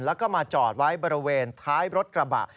แล้วก็มาจอดไว้บริเวณท้ายรถกระบะ